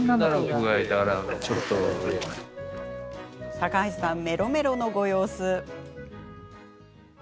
高橋さん、メロメロのご様子。